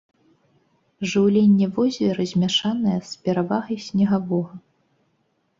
Жыўленне возера змяшанае, з перавагай снегавога.